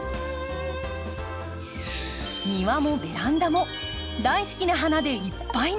庭もベランダも大好きな花でいっぱいにできます。